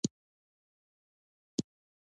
مورغاب سیند د افغانستان یو طبعي ثروت دی.